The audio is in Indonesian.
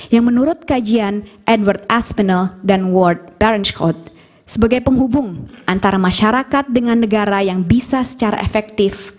yang menurut kajian edward aspinal dan world parent code sebagai penghubung antara masyarakat dengan negara yang bisa secara efektif